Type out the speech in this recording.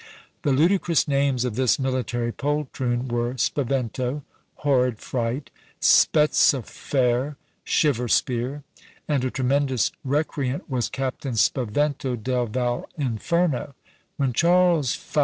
The ludicrous names of this military poltroon were Spavento (Horrid fright), Spezza fer (Shiver spear), and a tremendous recreant was Captain Spavento de Val inferno. When Charles V.